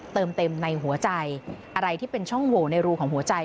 เติมเต็มในหัวใจอะไรที่เป็นช่องโหวในรูของหัวใจ